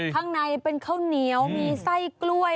ข้างในเป็นข้าวเหนียวมีไส้กล้วย